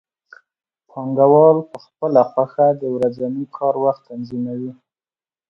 پانګوال په خپله خوښه د ورځني کار وخت تنظیموي